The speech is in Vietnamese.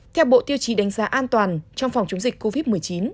theo bộ tiêu chí đánh giá an toàn trong phòng chống dịch covid một mươi chín